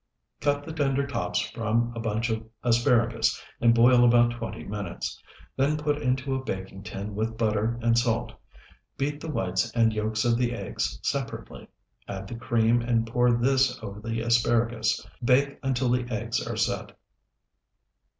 Cut the tender tops from a bunch of asparagus, and boil about twenty minutes. Then put into a baking tin with butter and salt. Beat the whites and yolks of the eggs separately, add the cream and pour this over the asparagus. Bake until the eggs are set.